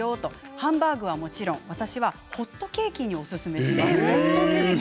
ハンバーグはもちろん私はホットケーキにおすすめします。